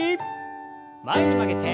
前に曲げて。